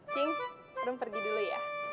cing belum pergi dulu ya